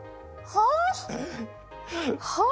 はあ！